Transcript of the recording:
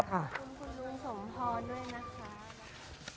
ขอบคุณคุณลุงสมพรด้วยนะคะ